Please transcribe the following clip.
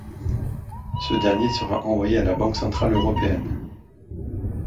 Ce dernier sera envoyé à la Banque centrale européenne.